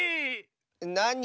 なに？